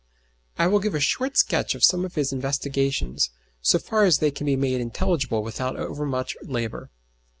I will give a short sketch of some of his investigations, so far as they can be made intelligible without overmuch labour.